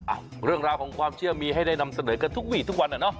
เรื่องราวของความเชื่อมีให้ได้นำเสนอกันทุกวีทุกวันอ่ะเนาะ